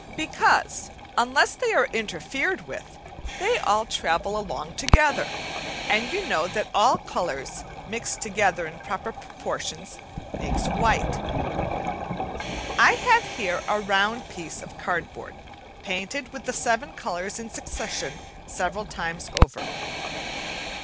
Because, unless they are interfered with, they all travel along together, and you know that all colours, mixed together in proper proportion, make white. I have here a round piece of cardboard, painted with the seven colours in succession several times over.